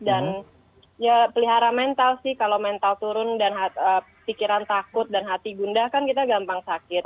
dan ya pelihara mental sih kalau mental turun dan pikiran takut dan hati gundah kan kita gampang sakit